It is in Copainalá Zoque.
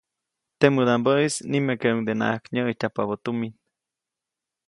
Temädaʼmbäʼis nimekeʼuŋdenaʼak nyäʼijtyajubä tumin.